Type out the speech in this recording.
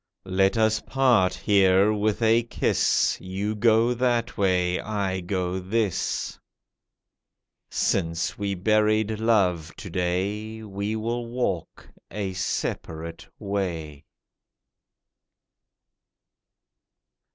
Let us part here with a kiss— You go that way, I go this. Since we buried Love to day We will walk a separate way.